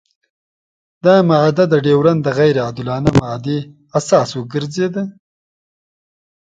دا معاهده د ډیورنډ د غیر عادلانه معاهدې اساس وګرځېده.